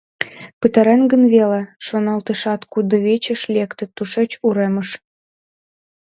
Пытарен гын веле?» — шоналтышат, кудывечыш лекте, тушеч — уремыш.